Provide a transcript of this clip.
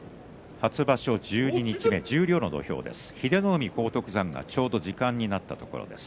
初場所、十二日目十両の土俵です。